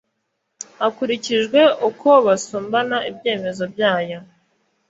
hakurikijwe uko basumbana ibyemezo byayo